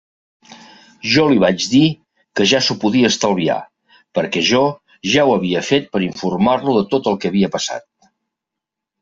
Jo li vaig dir que ja s'ho podia estalviar perquè jo ja ho havia fet per informar-lo de tot el que havia passat.